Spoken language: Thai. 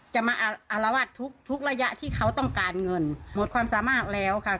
จะมาอารวาสทุกทุกระยะที่เขาต้องการเงินหมดความสามารถแล้วค่ะ